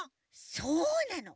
そうなの。